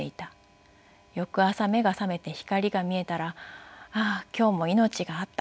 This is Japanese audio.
翌朝目が覚めて光が見えたら「ああ今日も命があった。